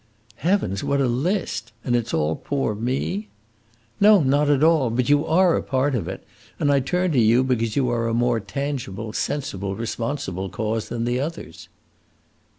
"Heavens, what a list! And it 's all poor me?" "No, not all. But you are a part of it, and I turn to you because you are a more tangible, sensible, responsible cause than the others."